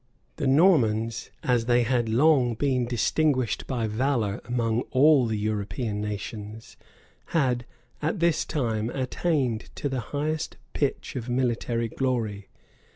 The Normans, as they had long been distinguished by valor among all the European nations, had, at this time, attained to the highest pitch of military glory.